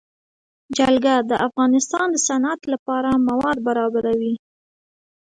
جلګه د افغانستان د صنعت لپاره مواد برابروي.